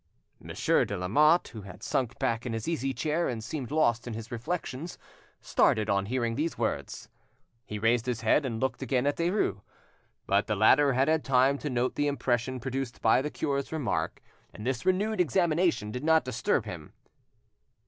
Monsieur, de Lamotte, who had sunk back in his easy chair and seemed lost in his reflections, started on hearing these words. He raised his head and looked again at Derues. But the latter had had time to note the impression produced by the cure's remark, and this renewed examination did not disturb him.